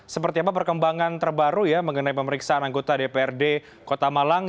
seperti apa perkembangan terbaru ya mengenai pemeriksaan anggota dprd kota malang